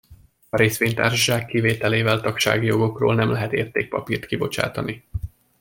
A részvénytársaság kivételével tagsági jogokról nem lehet értékpapírt kibocsátani.